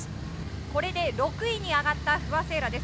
これで６位に上がった不破聖衣来です。